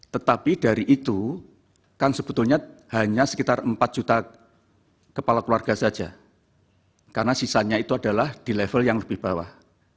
tetapi dari itu kan sebetulnya hanya sekitar empat juta kepala keluarga saja karena sisanya itu adalah di level yang lebih bawah